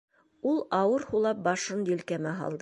Ул, ауыр һулап, башын елкәмә һалды.